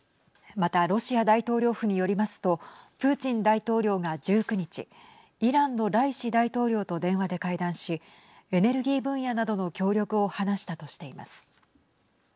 またロシア大統領府によりますとプーチン大統領が１９日イランのライシ大統領と電話で会談しエネルギー分野などの協力を話したとしています。